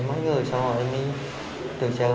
mấy người xong rồi em mới chạy lên